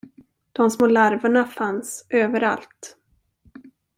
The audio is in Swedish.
De små larverna fanns överallt.